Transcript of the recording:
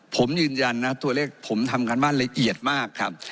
ผมยืนยันนะตัวเลขผมทำการบ้านละเอียดมากครับ